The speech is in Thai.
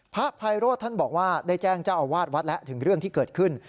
พระไพโรธท่านบอกว่าได้แจ้งเจ้าอาวาสวัดแล้วถึงเรื่องที่เกิดขึ้น